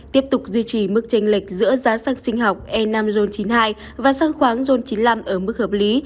tiếp tục duy trì mức tranh lệch giữa giá xăng sinh học e năm ron chín mươi hai và xăng khoáng chín mươi năm ở mức hợp lý